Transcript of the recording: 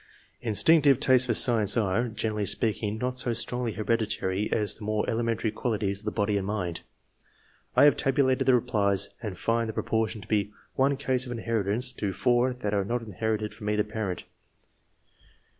Instinctive tastes for science are, generally speaking, not so strongly hereditary as the more elementary qualities of the body and mind. I have tabulated the replies, and find the proper III.] ORIGIN OF TASTE FOR SCIENCE, 197 tion to be 1 case of inheritance to 4 that are not inherited from either parent.